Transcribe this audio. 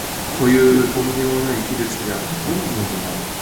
という飛んでもない奇術であることに、